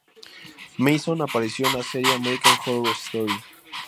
Manson apareció en la serie "American Horror Story".